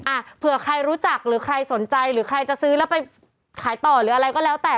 อ่ะเผื่อใครรู้จักหรือใครสนใจหรือใครจะซื้อแล้วไปขายต่อหรืออะไรก็แล้วแต่